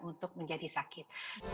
untuk menjadi sakit